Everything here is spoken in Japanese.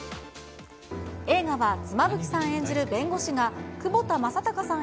映画は、妻夫木さん演じる弁護士が、窪田正孝さん